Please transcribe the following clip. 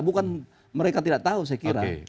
bukan mereka tidak tahu saya kira